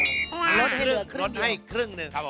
ลดให้เหลือครึ่งเดียวลดให้ครึ่งหนึ่งครับผม